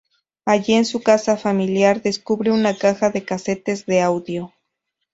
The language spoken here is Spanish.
Allí, en su casa familiar, descubre una caja de casetes de audio.